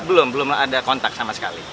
belum belum ada kontak sama sekali